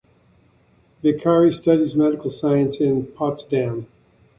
Vicari studies media science in Potsdam.